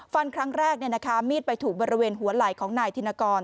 ฟันครั้งแรกมีดไปถูกบริเวณหัวไหล่ของนายธินกร